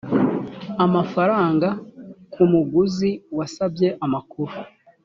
amafaranga ku muguzi wasabye amakuru